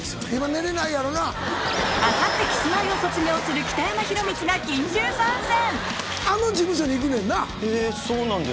夏の終わりにあさってキスマイを卒業する北山宏光が緊急参戦！